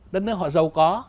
đất nước họ giàu có